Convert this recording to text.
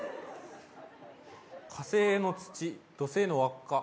火星の土、土星の輪っか。